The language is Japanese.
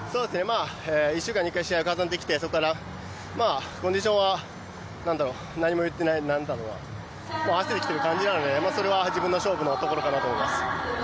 １週間に１回の試合でそこからコンディションは合わせてきている感じなのでそれは自分の勝負のところかなと思います。